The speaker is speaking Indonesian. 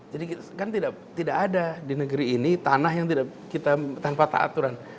jadi kan tidak ada di negeri ini tanah yang kita tanpa aturan